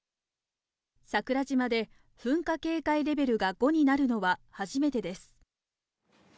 桜島で噴火警戒レベルが５になるのは初めてです。